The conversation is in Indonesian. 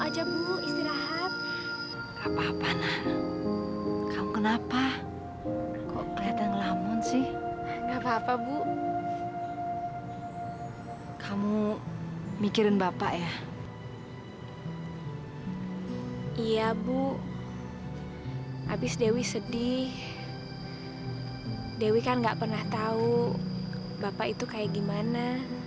jadi dewi kan gak pernah tahu bapak itu kayak gimana